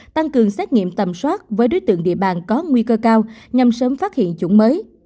tăng cường xét nghiệm tầm soát với đối tượng địa bàn có nguy cơ cao nhằm sớm phát hiện chủng mới